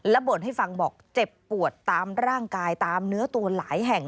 บ่นให้ฟังบอกเจ็บปวดตามร่างกายตามเนื้อตัวหลายแห่ง